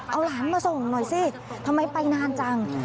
เอาหลานมาส่งหน่อยสิทำไมไปนานจัง